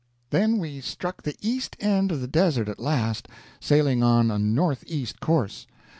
Then we struck the east end of the Desert at last, sailing on a northeast course.